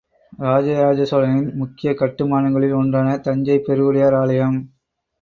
ராஜராஜசோழனின் முக்கியக் கட்டுமானங்களில் ஒன்றான தஞ்சைப் பெருவுடையார் ஆலயம்